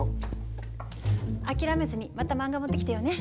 諦めずにまた漫画持ってきてよね。